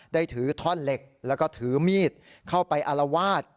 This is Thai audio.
ถือท่อนเหล็กแล้วก็ถือมีดเข้าไปอารวาส